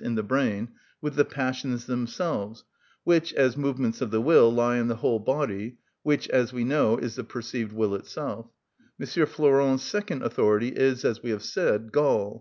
_, in the brain, with the passions themselves, which, as movements of the will, lie in the whole body, which (as we know) is the perceived will itself. M. Flourens' second authority is, as we have said, Gall.